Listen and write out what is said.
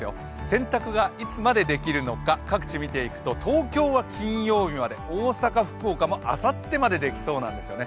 洗濯がいつまでできるのか、各地見ていくと東京は金曜日まで、大阪、福岡もあさってまでできそうなんですよね。